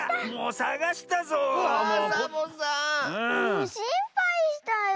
もうしんぱいしたよ。